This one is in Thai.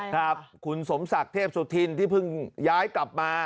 ครับคุณสมศักดิ์เทพสุธินที่เพิ่งย้ายกลับมา